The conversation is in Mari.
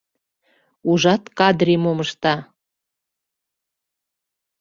— Ужат, Кáдри мом ышта!